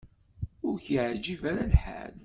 Ur k-yeɛjib ara lḥal.